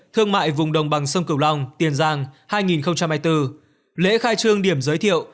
thương mại vùng đồng bằng sông cửu long tiền giang hai nghìn hai mươi bốn lễ khai trương điểm giới thiệu